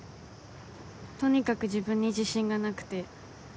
とにかく自分に自信がなくて。